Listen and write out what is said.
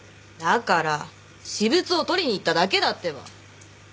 だから私物を取りに行っただけだってば。